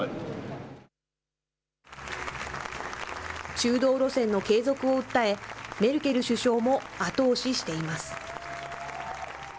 中道路線の継続を訴え、メルケル首相も後押ししています。